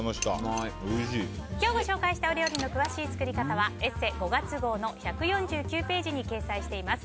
今日ご紹介したお料理の詳しい作り方は「ＥＳＳＥ」５月号の１４９ページに掲載しています。